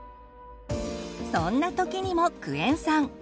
そんな時にもクエン酸。